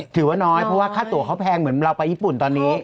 ถือว่าน้อยเพราะว่าค่าตัวเขาแพงเหมือนเราไปญี่ปุ่นตอนนี้